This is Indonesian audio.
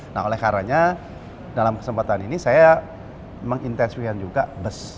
nah oleh karanya dalam kesempatan ini saya mengintensifkan juga bus